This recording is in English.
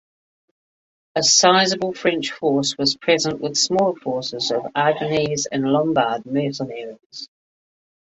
A sizeable French force was present with smaller forces of Aragonese and Lombard mercenaries.